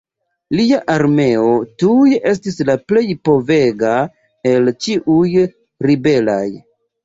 Lia armeo tuj estis la plej povega el ĉiuj ribelaj.